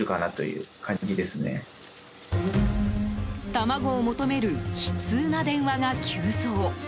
卵を求める悲痛な電話が急増。